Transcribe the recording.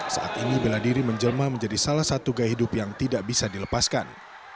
saat ini bela diri menjelma menjadi salah satu gaya hidup yang tidak bisa dilepaskan